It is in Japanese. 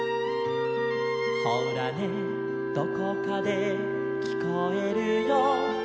「ほらねどこかできこえるよ」